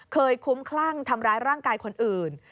คุ้มคลั่งทำร้ายร่างกายคนอื่น